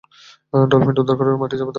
ডলফিনটি উদ্ধার করে মাটিচাপা দেওয়া হবে।